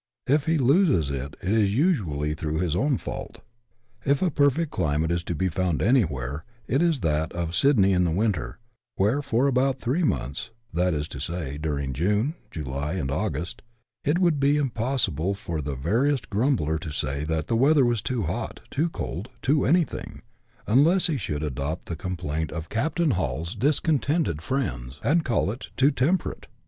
If he loses it, it is usually through his own fault. If a perfect climate is to be found anywhere it is that of Sydney in the winter, where, for about three months, that is to say, during June, July, and August, it would be impossible for the veriest grumbler to say that the weather was too hot, too cold, too anything, unless he should adopt the complaint of Captain Hall's discontented friends, and call it " too temperate."